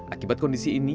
akibat kondisi ini